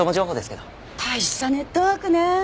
大したネットワークね。